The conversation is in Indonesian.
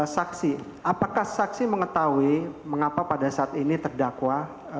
saksi apakah saksi mengetahui mengapa pada saat ini terdakwa